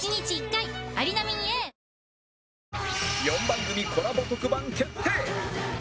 ４番組コラボ特番決定！